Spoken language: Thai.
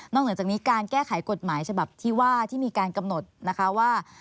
เหนือจากนี้การแก้ไขกฎหมายฉบับที่ว่าที่มีการกำหนดนะคะว่า